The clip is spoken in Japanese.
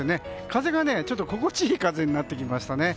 風が心地いい風になってきましたね。